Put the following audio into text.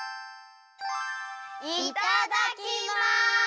いただきます！